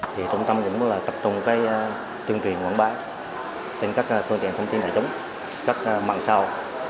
thì trung tâm cũng là tập trung cái tuyên truyền quảng bá trên các phương tiện thông tin đại chúng các mạng sau